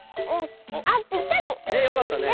あっぴったり。